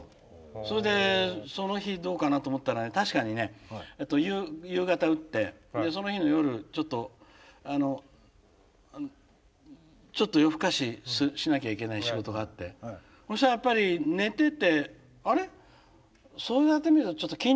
それでその日どうかなと思ったら確かにね夕方打ってその日の夜ちょっとあのちょっと夜更かししなきゃいけない仕事があってそしたらやっぱり寝ててあれそうやってみるとちょっと筋肉痛な感じ。